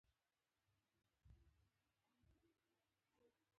• لور د مینې سمبول دی.